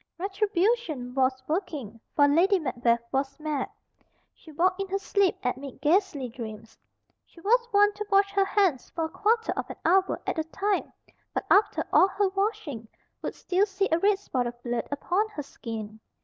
Retribution was working, for Lady Macbeth was mad. She walked in her sleep amid ghastly dreams. She was wont to wash her hands for a quarter of an hour at a time; but after all her washing, would still see a red spot of blood upon her skin.